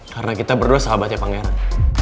karena kita berdua sahabatnya pangeran